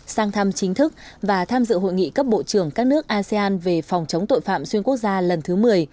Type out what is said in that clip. sang thăm chính thức và tham dự hội nghị cấp bộ trưởng các nước asean về phòng chống tội phạm xuyên quốc gia lần thứ một mươi